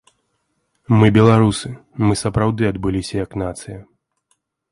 Мы беларусы, мы сапраўды адбыліся як нацыя.